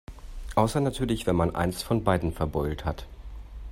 Außer natürlich, wenn man eins von beiden verbeult hat.